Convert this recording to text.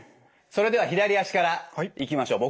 それでは左足からいきましょう。